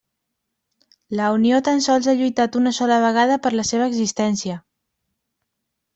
La Unió tan sols ha lluitat una sola vegada per la seva existència.